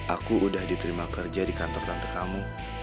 aku udah diterima kerja di kantor tante kamu